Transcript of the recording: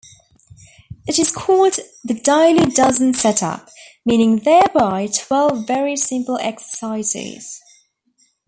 It is called the "daily dozen set-up", meaning thereby twelve very simple exercises.